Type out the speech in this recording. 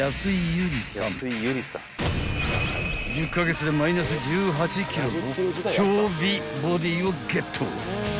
［１０カ月でマイナス１８ｋｇの超美ボディーをゲット］